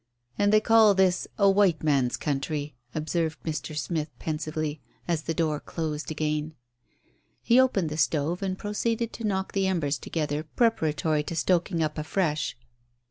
"And they call this a white man's country," observed Mr. Smith pensively, as the door closed again. He opened the stove and proceeded to knock the embers together preparatory to stoking up afresh.